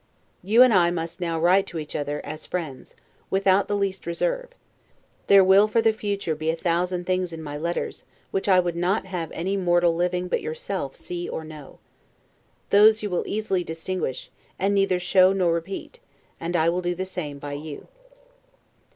You and I must now write to each other as friends, and without the least reserve; there will for the future be a thousand things in my letters, which I would not have any mortal living but yourself see or know. Those you will easily distinguish, and neither show nor repeat; and I will do the same by you.